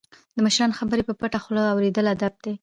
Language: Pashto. د مشرانو خبرې په پټه خوله اوریدل ادب دی.